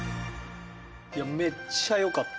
いやめっちゃよかった。